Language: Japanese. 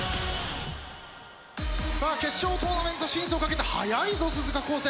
さあ決勝トーナメント進出をかけて速いぞ鈴鹿高専！